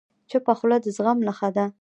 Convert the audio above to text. چپه خوله، د زغم نښه ده.